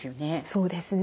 そうですね。